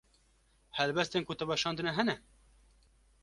Helbestên ku te weşandine hene?